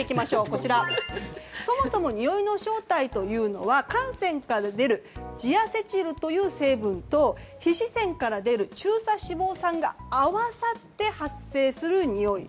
そもそもにおいの正体というのは汗腺から出るジアセチルという成分と中鎖脂肪酸が合わさって発生するにおい。